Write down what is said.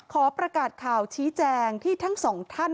ขอประกาศข่าวชี้แจงที่ทั้งสองท่าน